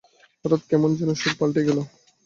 হঠাৎ কেমন যেনো সুর পাল্টে গেল?